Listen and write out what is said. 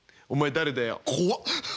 誰だよ。